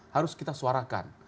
harus kita suarakan